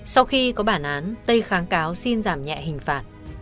sau khi có bản án tây kháng cáo xin giảm nhẹ hình phạt